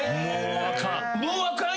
もうあかん。